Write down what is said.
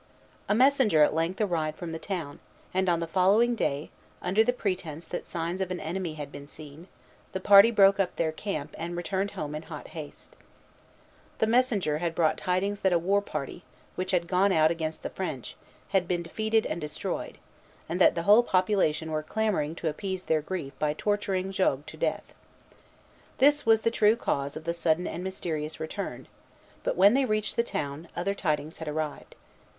A messenger at length arrived from the town; and on the following day, under the pretence that signs of an enemy had been seen, the party broke up their camp, and returned home in hot haste. The messenger had brought tidings that a war party, which had gone out against the French, had been defeated and destroyed, and that the whole population were clamoring to appease their grief by torturing Jogues to death. This was the true cause of the sudden and mysterious return; but when they reached the town, other tidings had arrived.